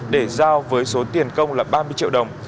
để giao với số tiền công là ba mươi triệu đồng